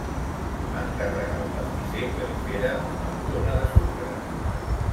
Va encarregar al pastisser que li fera una corona de sucre.